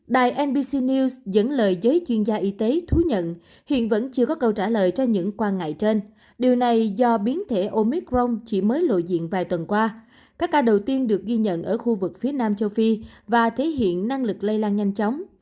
đài nbc news dẫn lời giới chuyên gia y tế thú nhận hiện vẫn chưa có câu trả lời cho những quan ngại trên điều này do biến thể omicron chỉ mới lộ diện vài tuần qua các ca đầu tiên được ghi nhận ở khu vực phía nam châu phi và thể hiện năng lực lây lan nhanh chóng